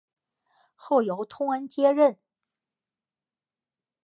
后由通恩接任。